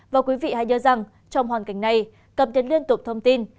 và quý vị hãy nhớ rằng trong hoàn cảnh này cập nhật liên tục thông tin